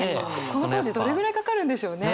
この当時どれぐらいかかるんでしょうね。